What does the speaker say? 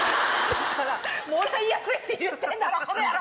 だから「もらいやすい」って言ってんだろコノヤロ。